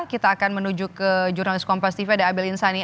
kita akan menuju ke jurnalis kompas tipe ada abel insani